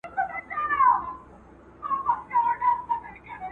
ماشومانو چي تلکه ایښودله !.